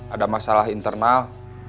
ada masalah internal